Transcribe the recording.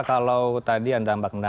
kalau tadi anda ambil nama